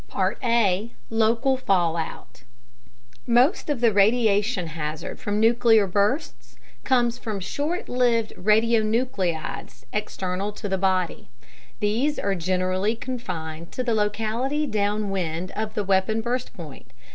A. Local Fallout Most of the radiation hazard from nuclear bursts comes from short lived radionuclides external to the body; these are generally confined to the locality downwind of the weapon burst point.